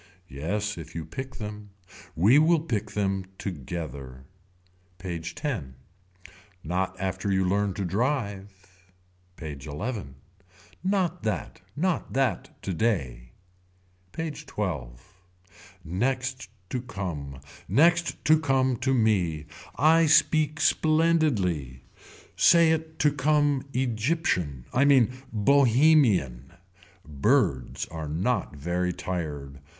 Yes if you pick them. We will pick them together. PAGE X. Not after you learn to drive. PAGE XI. Not that. Not that today. PAGE XII. Next to come. Next to come to me. I speak splendidly. Say it to come Egyptian. I mean Bohemian. Birds are not very tired.